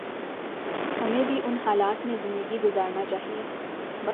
ہمیں بھی ان حالات میں زندگی گزارنا چاہیے